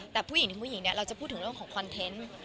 แต่ผู้หญิงถึงผู้หญิงเนี่ยเราจะพูดถึงเรื่องของคอนเทนต์